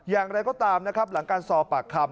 อย่างไรก็ตามนะครับหลังการสอบปากคำ